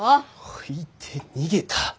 置いて逃げた？